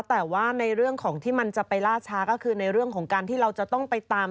แต่ว่าในเรื่องของที่มันจะไปล่าช้าก็คือในเรื่องของการที่เราจะต้องไปตาม